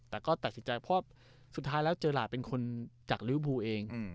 แต่ก็แถ่งสินใจเพราะสุดท้ายแล้วเจอราชเป็นคนจากฤบภูเองอืม